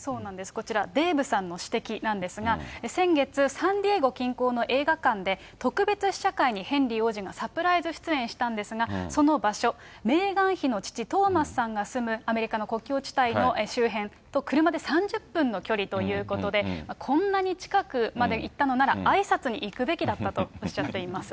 こちら、デーブさんの指摘なんですが、先月、サンディエゴ近郊の映画館で、特別試写会にヘンリー王子がサプライズ出演したんですが、その場所、メーガン妃の父、トーマスさんが住むアメリカの国境地帯の周辺と、車で３０分の距離ということで、こんなに近くまで行ったのなら、あいさつに行くべきだったとおっしゃっています。